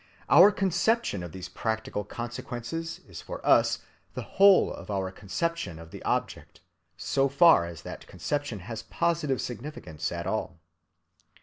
Our conception of these practical consequences is for us the whole of our conception of the object, so far as that conception has positive significance at all.